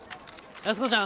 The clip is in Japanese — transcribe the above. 安子ちゃん？